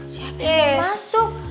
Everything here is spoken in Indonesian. siapa yang mau masuk